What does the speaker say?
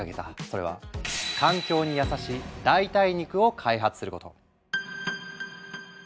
それは環境に優しい代替肉を開発すること。